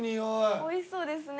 おいしそうですね。